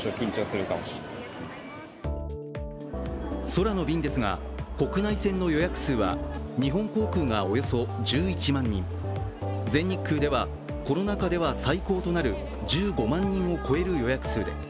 空の便ですが、国内線の予約数は日本航空がおよそ１１万人全日空ではコロナ禍では最高となる１５万人を超える予約数です。